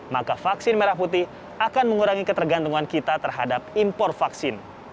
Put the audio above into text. maka vaksin merah putih akan mengurangi ketergantungan kita terhadap impor vaksin